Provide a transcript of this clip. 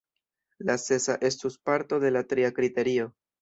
La sesa estus parto de la tria kriterio.